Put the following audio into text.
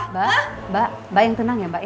mbak mbak mbak yang tenang ya mbak ya